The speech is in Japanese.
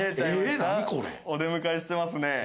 お出迎えしてますね。